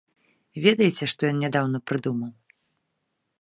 Ведаеце, што ён нядаўна прыдумаў?